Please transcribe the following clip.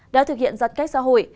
đã thực hiện giặt cách xã hội